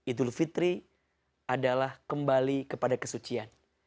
idul fitri adalah kembali kepada kesucian